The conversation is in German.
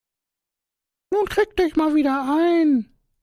Nun krieg dich mal wieder ein.